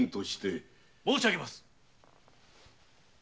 申しあげます！